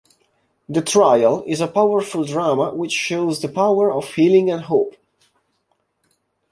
'The Trial' is a powerful drama which shows the power of healing and hope.